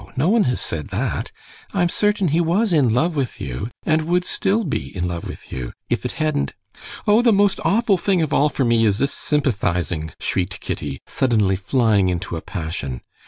No one has said that. I'm certain he was in love with you, and would still be in love with you, if it hadn't...." "Oh, the most awful thing of all for me is this sympathizing!" shrieked Kitty, suddenly flying into a passion.